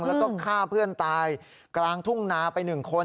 แล้วก็ฆ่าเพื่อนตายกลางทุ่งนาไป๑คน